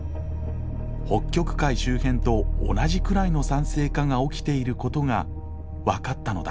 北極海周辺と同じくらいの酸性化が起きていることが分かったのだ。